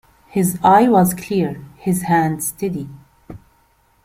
His eye was clear, his hand steady.